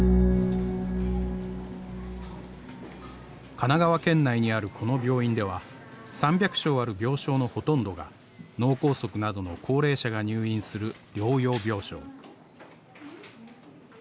神奈川県内にあるこの病院では３００床ある病床のほとんどが脳梗塞などの高齢者が入院する療養病床。